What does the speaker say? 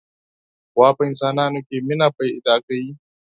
غوا په انسانانو کې مینه پیدا کوي.